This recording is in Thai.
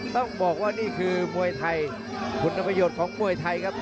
ต้องบอกว่านี่คือมวยไทยคุณประโยชน์ของมวยไทยครับ